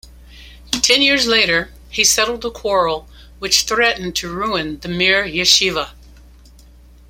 Ten years later he settled a quarrel which threatened to ruin the Mir Yeshiva.